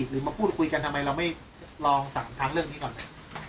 หรือมาพูดคุยกันทำไมเราไม่ลองสั่งทางเรื่องนี้ก่อนไหม